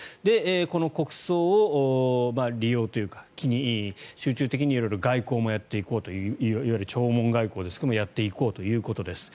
この国葬を利用というか集中的に外交もやっていこうといういわゆる弔問外交ですがやっていこうということです。